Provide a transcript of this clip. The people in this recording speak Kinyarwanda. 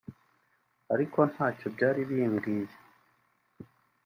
ariko ntacyo byari bimbwiye